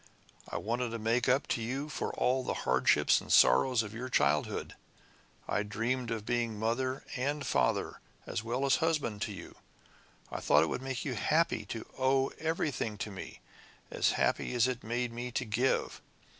I wanted to make up to you for all the hardships and sorrows of your childhood. I dreamed of being mother and father as well as husband to you. I thought it would make you happy to owe everything to me as happy as it made me to give.